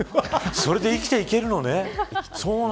それで生きていけるのね。